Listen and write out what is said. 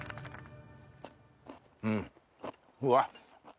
うんうわっ。